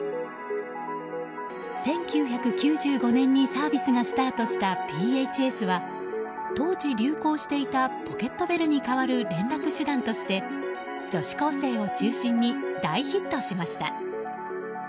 １９９５年にサービスがスタートしたＰＨＳは当時流行していたポケットベルに代わる連絡手段として女性高生を中心に大ヒットしました。